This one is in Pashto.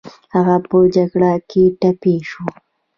هغه په جګړه کې ټپي شو